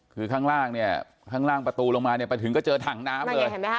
คือข้างล่างประตูลงมาไปถึงก็เจอถังน้ำเลย